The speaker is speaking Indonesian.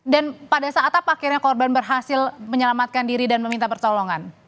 dan pada saat apa akhirnya korban berhasil menyelamatkan diri dan meminta pertolongan